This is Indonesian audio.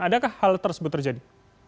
adakah hal tersebut terjadi